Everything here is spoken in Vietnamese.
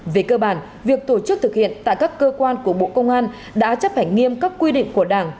về cơ bản việc tổ chức thực hiện tại các cơ quan của bộ công an đã chấp hành nghiêm các quy định của đảng